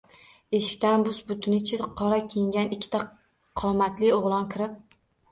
Eshikdan bus-butunicha qora kiyingan ikkita qomatli o‘g‘lon kirib